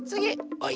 はい。